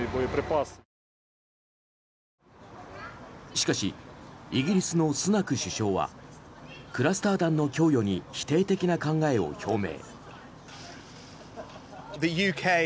しかしイギリスのスナク首相はクラスター弾の供与に否定的な考えを表明。